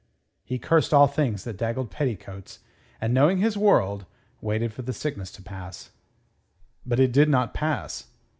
He cursed all things that daggled petticoats, and, knowing his world, waited for the sickness to pass. But it did not pass.